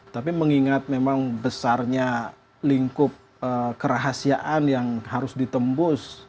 tapi mengingat memang besarnya lingkup kerahasiaan yang harus ditembus